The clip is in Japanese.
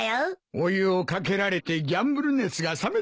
お湯を掛けられてギャンブル熱が冷めたか。